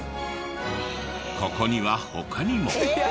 ここには他にも。